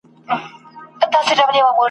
ورته کښې یې ښوده ژر یوه تلکه !.